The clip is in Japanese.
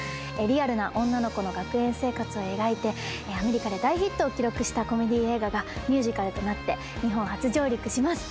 リアルな女の子の学園生活を描いてアメリカで大ヒットを記録したコメディ映画がミュージカルとなって日本初上陸します